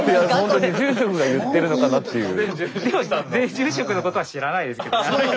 前住職のことは知らないですけどねあの犬。